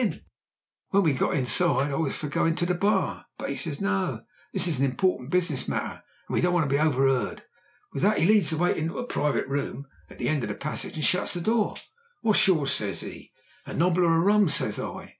When we got inside I was for goin' to the bar, but 'e says, 'No. This is an important business matter, and we don't want to be over'eard.' With that he leads the way into a private room at the end of the passage and shuts the door. 'What's yours?' says he. 'A nobbler o' rum,' says I.